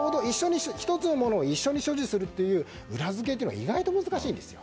１つのものを一緒に所持するという裏付けというのは意外と難しいんですよ。